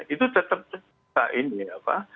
itu tetap tetap ini ya pak